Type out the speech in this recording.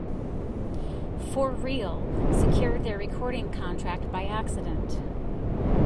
For Real secured their recording contract by accident.